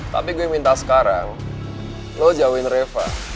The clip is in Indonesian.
tapi gue yang minta sekarang lo jauhin reva